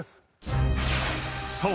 ［そう。